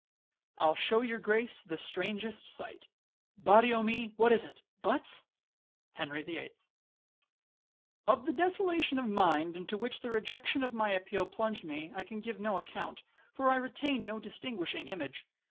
I'll shew your Grace the strangest sight,— Body o'me, what is it, Butts?— HENRY THE EIGHTH 'Of the desolation of mind into which the rejection of my appeal plunged me, I can give no account, for I retain no distinguishing image.